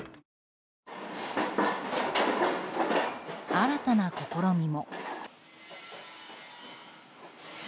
新たな試みも。